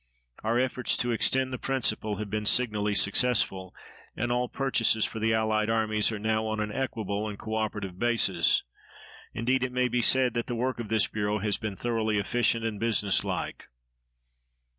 Our efforts to extend the principle have been signally successful, and all purchases for the allied armies are now on an equitable and co operative basis. Indeed, it may be said that the work of this bureau has been thoroughly efficient and businesslike.